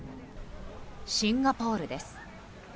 シンガポールです。